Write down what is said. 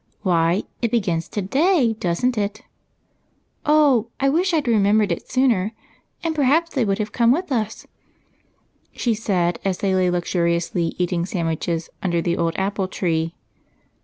Why, it begins to day, doesn't it? Oh, I wish I'd remembered it sooner, and perhaps they would have come with us," she said, as they lay lux uriously eating sandwiches under the old apple tree.